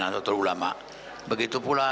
anwar turgulama begitu pula